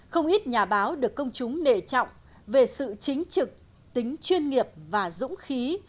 không ít nhà báo được công chúng nể trọng về sự chính trực tính chuyên nghiệp và dũng khí